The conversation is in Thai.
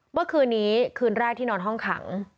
เมื่อคืนนี้คืนแรกที่นอนห้องขัง